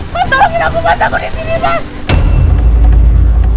mas tolongin aku mas aku di sini mas